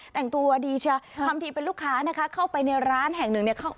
แต่งตัวดีเชียร์ทำทีเป็นลูกค้านะคะเข้าไปในร้านแห่งหนึ่งเนี่ย